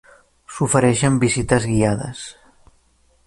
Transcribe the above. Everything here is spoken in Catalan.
S'ofereixen visites guiades.